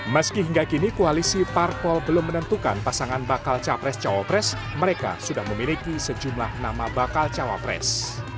meski hingga kini koalisi parpol belum menentukan pasangan bakal capres cawapres mereka sudah memiliki sejumlah nama bakal cawapres